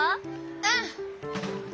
うん！